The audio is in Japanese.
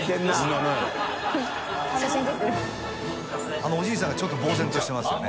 あのおじいさんがちょっとぼうぜんとしてますよね。